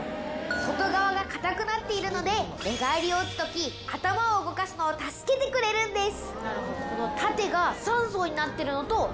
外側が硬くなっているので寝返りをうつ時頭を動かすのを助けてくれるんです。